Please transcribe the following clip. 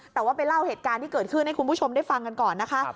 แต่ว่าไปเล่าเหตุการณ์ที่เกิดขึ้นให้คุณผู้ชมได้ฟังกันก่อนนะคะ